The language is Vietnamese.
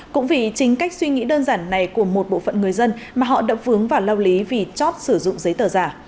cũng vì chính cách suy nghĩ đơn giản này của một bộ phận người dân mà họ đã vướng vào lao lý vì chót sử dụng giấy tờ giả